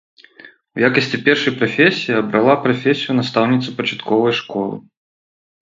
У якасці першай прафесіі абрала прафесію настаўніцы пачатковай школы.